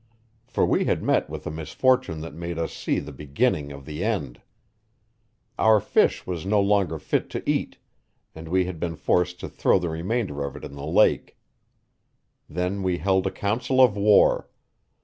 For we had met with a misfortune that made us see the beginning of the end. Our fish was no longer fit to eat, and we had been forced to throw the remainder of it in the lake. Then we held a council of war.